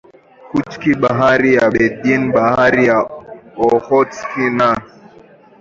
Chukchi Bahari ya Bering Bahari ya Ohotsk na